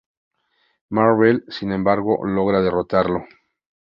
Mar-Vell, sin embargo, logra derrotarlo.